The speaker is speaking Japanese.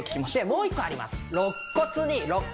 もう一個あります